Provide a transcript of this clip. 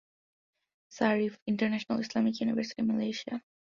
Sarif (International Islamic University Malaysia).